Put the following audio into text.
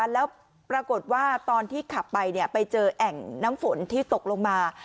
แล้วปรากฏว่าตอนที่ขับไปไปเจอแอ่งน้ำฝนที่ตกลงมา